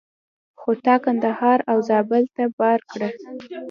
خو تا کندهار او زابل ته بار کړه.